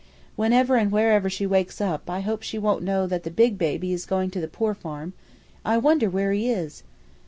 "Whenever and wherever she wakes up, I hope she won't know that the big baby is going to the poor farm. I wonder where he is?"